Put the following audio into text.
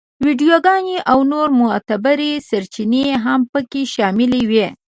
ویډیوګانې او نورې معتبرې سرچینې هم په کې شاملې وې.